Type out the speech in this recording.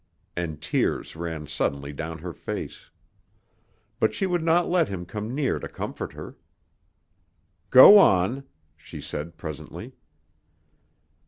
And tears ran suddenly down her face. But she would not let him come near to comfort her. "Go on," she said presently.